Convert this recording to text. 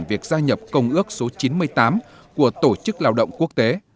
việc gia nhập công ước số chín mươi tám của tổ chức lao động quốc tế